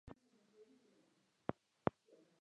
د پښتو ژبې د بډاینې لپاره پکار ده چې نوي لغتونه علمي جوړ شي.